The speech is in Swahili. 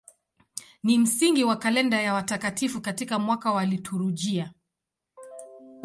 Ni msingi wa kalenda ya watakatifu katika mwaka wa liturujia.